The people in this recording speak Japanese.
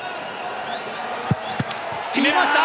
決めました！